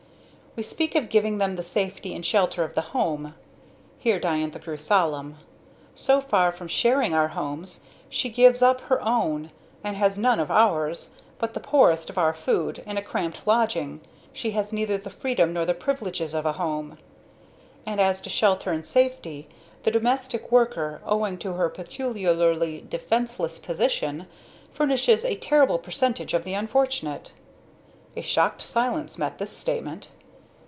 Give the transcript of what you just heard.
"We speak of giving them the safety and shelter of the home," here Diantha grew solemn; "So far from sharing our homes, she gives up her own, and has none of ours, but the poorest of our food and a cramped lodging; she has neither the freedom nor the privileges of a home; and as to shelter and safety the domestic worker, owing to her peculiarly defenceless position, furnishes a terrible percentage of the unfortunate." A shocked silence met this statement.